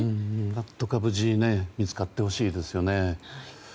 何とか無事に見つかってほしいですよね。